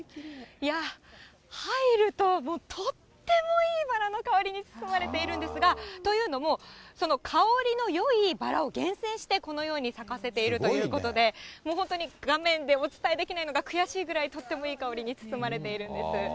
いや、入ると、もうとってもいいバラの香りに包まれているんですが、というのも、その香りのよいバラを厳選して、このように咲かせているということで、もう本当に画面でお伝えできないのが悔しいぐらい、とってもいい香りに包まれているんです。